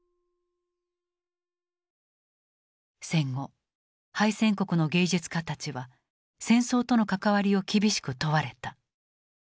戦後敗戦国の芸術家たちは戦争との関わりを厳しく問われた。